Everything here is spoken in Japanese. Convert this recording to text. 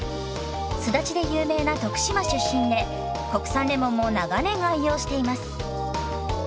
すだちで有名な徳島出身で国産レモンも長年愛用しています。